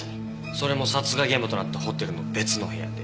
それも殺害現場となったホテルの別の部屋で。